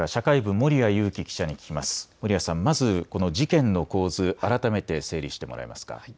守屋さん、まずこの事件の構図、改めて整理してもらえますか。